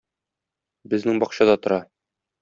Безнең бакчада тора.